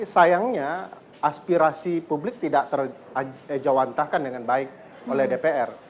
sayangnya aspirasi publik tidak terjawantahkan dengan baik oleh dpr